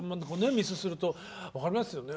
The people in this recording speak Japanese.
ミスすると分かりますよね？